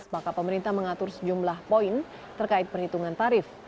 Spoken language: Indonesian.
maka pemerintah mengatur sejumlah poin terkait perhitungan tarif